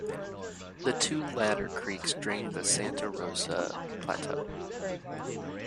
The two latter creeks drain the Santa Rosa Plateau.